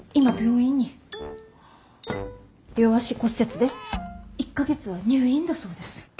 両足骨折で１か月は入院だそうです。